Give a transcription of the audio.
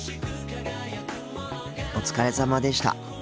お疲れさまでした。